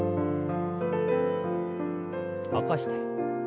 起こして。